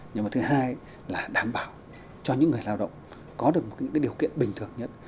nhưng mà thứ hai là đảm bảo cho những người lao động có được những điều kiện bình thường nhất